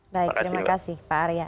baik terima kasih pak arya